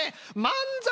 漫才！